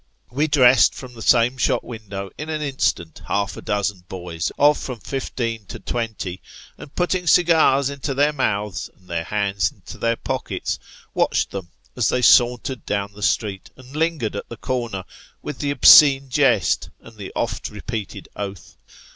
We dressed, from the same shop window in an instant, half a dozen boys of from fifteen to twenty ; and putting cigars into their mouths, and their hands into their pockets, watched them as they sauntered down the street, and lingered at the corner, with the obscene jest, and the oft repeated oath.